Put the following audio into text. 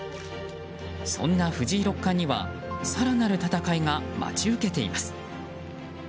そんな藤井六冠には更なる戦いが待ち受けています。